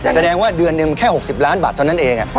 แสดงว่าเดือนหนึ่งแค่๖๐ล้านบาทเท่านั้นเอง